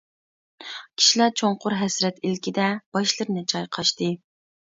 كىشىلەر چوڭقۇر ھەسرەت ئىلكىدە باشلىرىنى چايقاشتى.